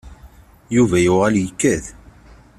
Yuba yuɣal yekkat.